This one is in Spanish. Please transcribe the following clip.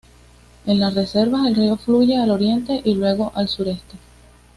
En las reservas el río fluye al oriente y luego al sureste.